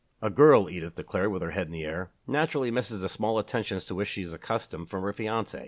"A girl," Edith declared, with her head in the air, "naturally misses the small attentions to which she is accustomed from her fiancé."